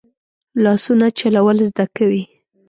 لاسونه چلول زده کوي